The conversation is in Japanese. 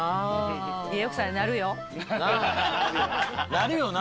なるよな。